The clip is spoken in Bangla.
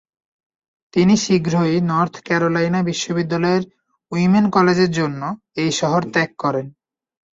তিনি শীঘ্রই নর্থ ক্যারোলাইনা বিশ্ববিদ্যালয়ের উইমেন কলেজের জন্য এই শহর ত্যাগ করেন।